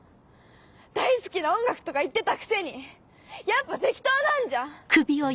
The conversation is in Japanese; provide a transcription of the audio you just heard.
大好きな音楽とか言ってたくせにやっぱ適当なんじゃん！